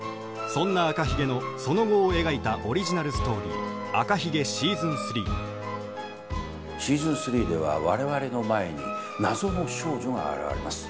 そんな「赤ひげ」のその後を描いたオリジナルストーリーシーズン３では我々の前に謎の少女が現れます。